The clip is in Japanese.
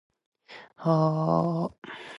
いつの間にか朝になってたり